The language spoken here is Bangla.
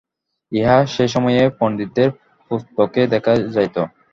ইহা সেসময়ে পণ্ডিতদের পুস্তকেই দেখা যাইত।